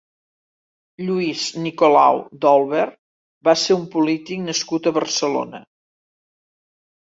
Lluís Nicolau d'Olwer va ser un polític nascut a Barcelona.